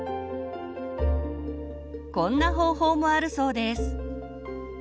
こんな方法もあるそうです。